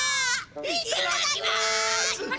いっただきます！